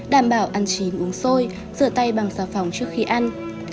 đảm bảo ăn chín uống sôi rửa tay bằng xà phòng trước khi ăn